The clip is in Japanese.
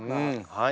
はい！